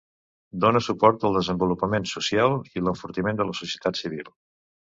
Dona suport al desenvolupament social i l'enfortiment de la societat civil.